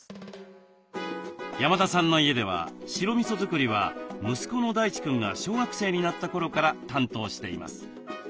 山田さんの家では白みそ作りは息子の大地くんが小学生になった頃から担当しています。